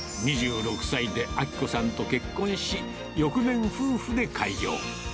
２６歳で章子さんと結婚し、翌年、夫婦で開業。